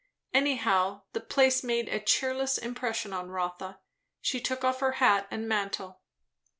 Anyhow, the place made a cheerless impression on Rotha. She took off her hat and mantle.